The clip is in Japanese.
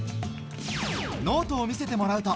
ノートを見せてもらうと。